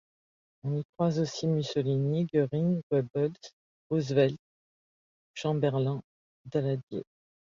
On y croise aussi Mussolini, Goering, Goebbels, Roosevelt, Chamberlain, Daladier...